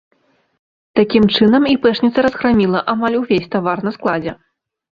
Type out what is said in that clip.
Такім чынам іпэшніца разграміла амаль увесь тавар на складзе.